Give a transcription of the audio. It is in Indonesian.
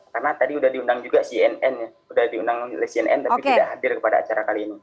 karena tadi sudah diundang juga cnn sudah diundang oleh cnn tapi tidak hadir kepada acara kali ini